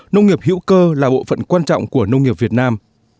nông nghiệp hữu cơ là bộ phận quan trọng của nông nghiệp việt nam